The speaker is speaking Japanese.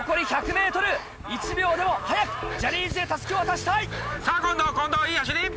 残り１００ｍ１秒でも早くジャニーズへ襷を渡したい。